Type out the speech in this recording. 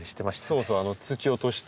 そうそう土を落として。